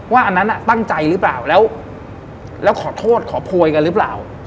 อันนั้นตั้งใจหรือเปล่าแล้วขอโทษขอโพยกันหรือเปล่า